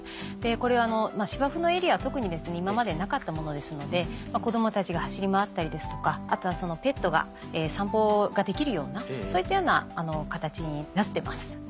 これ芝生のエリアは特に今までなかったものですので子供たちが走り回ったりですとかあとはペットが散歩できるようなそういったような形になってます。